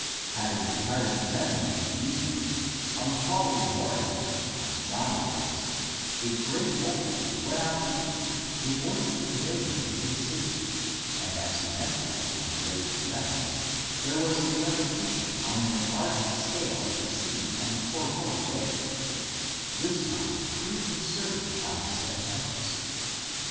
Having retired to Bethany in the evening, on the following morn ing (as John relates) a great multitude went out to meet him, in order to convey him into the city, and as he met with them on the way from Bethany; there was a repetition on an enlarged scale of the scene on the foregoing day, —this time preconcerted by his adherents.